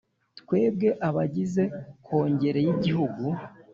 Twebwe abagize Kongere y Igihugu